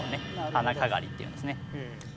花かがりっていうんですね。